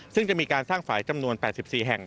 ซึ่งจะมีการสร้างฝ่ายจำนวน๘๔แห่ง